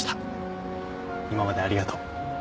今までありがとう。